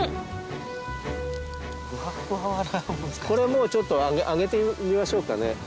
これもうちょっと上げてみましょうかね。